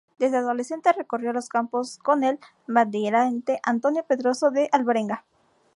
Desde adolescente recorría los campos con el bandeirante Antonio Pedroso de Alvarenga.